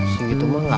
sini tuh gak ada pak